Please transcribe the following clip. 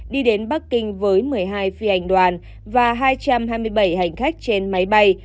đi đến bắc kinh với một mươi hai phi hành đoàn và hai trăm hai mươi bảy hành khách trên máy bay